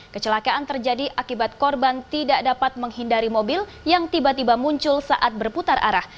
kecelakaan terjadi akibat korban tidak dapat menghindari mobil yang tiba tiba muncul saat berputar arah